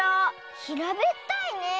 ひらべったいねえ。